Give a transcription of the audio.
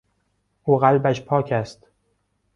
او قلبش پاک است.